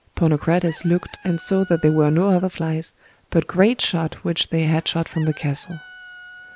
Ponocrates looked and saw that there were no other flies but great shot which they had shot from the castle.